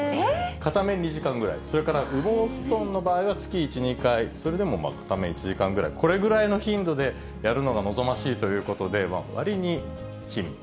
片面２時間ぐらい、それから羽毛布団の場合は月１、２回、それでも片面１時間ぐらい、これぐらいの頻度でやるのが望ましいということで、わりに頻繁。